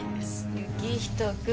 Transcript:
行人君。